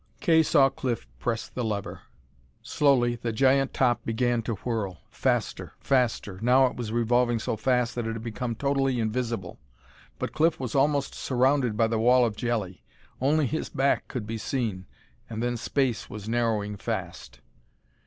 Kay saw Cliff press the lever. Slowly the giant top began to whirl. Faster ... faster.... Now it was revolving so fast that it had become totally invisible. But Cliff was almost surrounded by the wall of jelly. Only his back could be seen, and then space was narrowing fast.